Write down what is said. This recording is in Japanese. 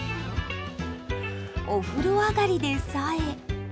お風呂上がりでさえ。